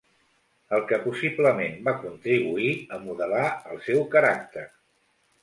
El que possiblement va contribuir a modelar el seu caràcter.